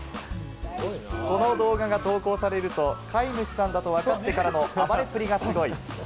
この動画が投稿されると、飼い主さんだと分かってからの暴れっぷりがすごい。